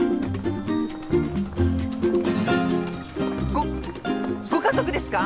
ごご家族ですか！？